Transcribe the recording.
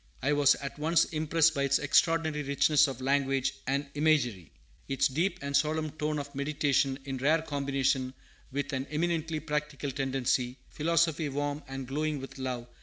I was at once impressed by its extraordinary richness of language and imagery, its deep and solemn tone of meditation in rare combination with an eminently practical tendency, philosophy warm and glowing with love.